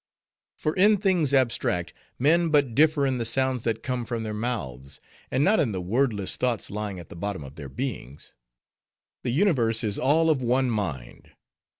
For in things abstract, men but differ in the sounds that come from their mouths, and not in the wordless thoughts lying at the bottom of their beings. The universe is all of one mind.